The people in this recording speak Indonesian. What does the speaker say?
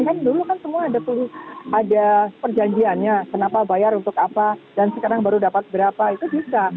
kan dulu kan semua ada perjanjiannya kenapa bayar untuk apa dan sekarang baru dapat berapa itu bisa